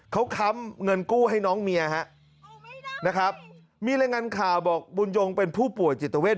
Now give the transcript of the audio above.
เขาค้ำเงินกู้ให้น้องเมียฮะนะครับมีรายงานข่าวบอกบุญยงเป็นผู้ป่วยจิตเวท